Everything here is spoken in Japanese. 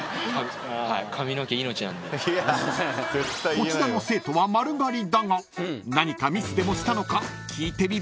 ［こちらの生徒は丸刈りだが何かミスでもしたのか聞いてみると］